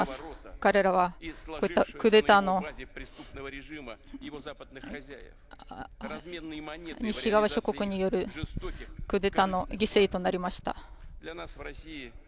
彼らはこういった西側諸国によるクーデターの犠牲となりました。